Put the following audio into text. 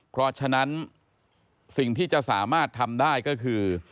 เพราะฉะนั้นสิ่งที่จะสามารถทำได้ก็คือ